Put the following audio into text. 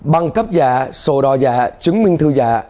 băng cấp giả sổ đo giả chứng minh thư giả